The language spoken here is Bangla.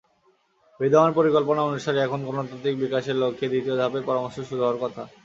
বিদ্যমান পরিকল্পনা অনুসারে, এখন গণতান্ত্রিক বিকাশের লক্ষ্যে দ্বিতীয় ধাপের পরামর্শ শুরু হওয়ার কথা।